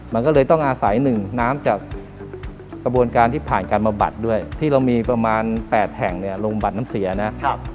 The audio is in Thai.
มันก็เลยต้องอาศัยหนึ่งน้ำจากกระบวนการที่ผ่านการมาบัดด้วยที่เรามีประมาณ๘แห่งเนี่ยลงบัตรน้ำเสียนะครับ